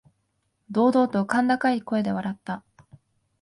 堂々と甲高い声で笑った。